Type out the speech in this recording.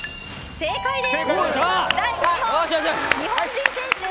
正解です。